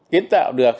kiến tạo được